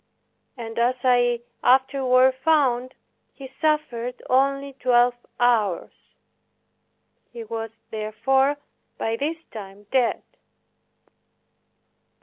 And as I afterward found, he suffered only twelve hours. He was therefore by this time dead.